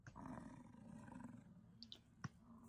Belatz gorria harrapari haragijalea da.